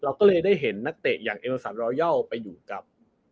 เราก็เลยได้เห็นนักเตศอย่างเอมรสัตว์รอยาลไปอยู่กับ